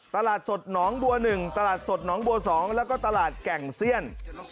ตลาดสดน้องบัวหนึ่งตลาดสดน้องบัวสองแล้วก็ตลาดแก่งเสี้ยน